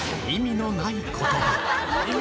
意味のないことば。